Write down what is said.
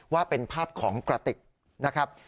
ว่าเป็นภาพของกระติกนะครับ